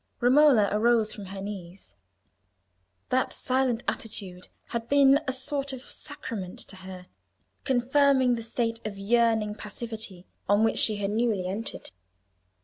Romola arose from her knees. That silent attitude had been a sort of sacrament to her, confirming the state of yearning passivity on which she had newly entered.